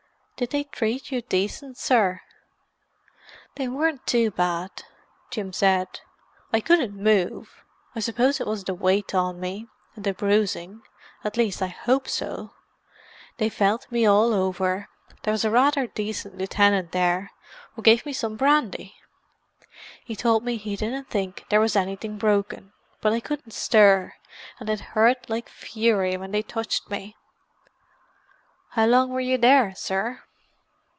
"Did they treat you decent, sir?" "They weren't too bad," Jim said. "I couldn't move; I suppose it was the weight on me, and the bruising—at least, I hope so. They felt me all over—there was a rather decent lieutenant there, who gave me some brandy. He told me he didn't think there was anything broken. But I couldn't stir, and it hurt like fury when they touched me." "And how long were you there, sir?"